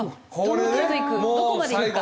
どこまでいくか？